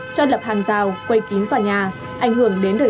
cho lập hàng rào trắng